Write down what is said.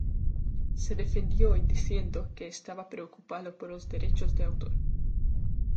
Se defendió diciendo que estaba preocupado por los derechos de autor